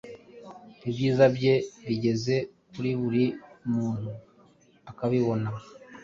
Ibyiza bye bigeza kuri buri muntu akabibona